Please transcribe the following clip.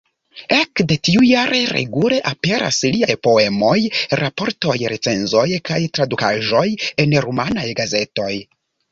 Ekde tiu jare regule aperas liaj poemoj, raportoj, recenzoj kaj tradukaĵoj en rumanaj gazetoj.